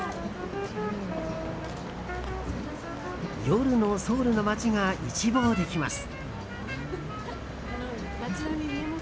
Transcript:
夜のソウルの街が一望できます。